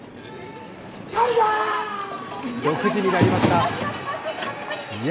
６時になりました。